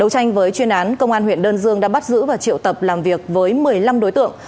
trên án công an huyện đơn dương đã bắt giữ và triệu tập làm việc với một mươi năm đối tượng